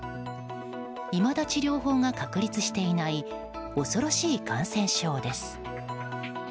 いまだ治療法が確立していない恐ろしい感染症です。